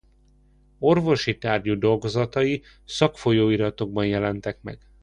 Orvosi tárgyú dolgozatai szakfolyóiratokban jelentek meg.